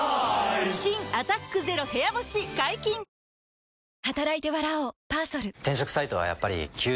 新「アタックＺＥＲＯ部屋干し」解禁‼あ゛ーーー！